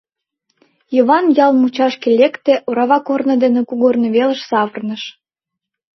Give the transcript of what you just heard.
Йыван ял мучашке лекте, орава корно дене кугорно велыш савырныш.